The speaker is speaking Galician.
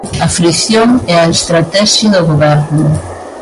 A fricción é a estratexia do Goberno.